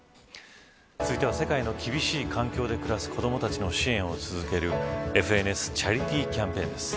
続いては世界の厳しい環境で暮らす子どもたちの支援を続けるＦＮＳチャリティキャンペーン